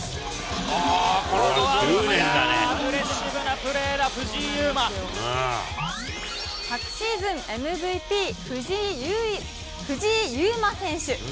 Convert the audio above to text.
アグレッシブなプレーだ、昨シーズンＭＶＰ、藤井祐眞選手。